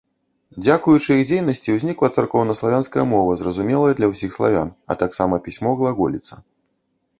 Дзякуючы іх дзейнасці ўзнікла царкоўнаславянская мова, зразумелая для ўсіх славян, а таксама пісьмо глаголіца.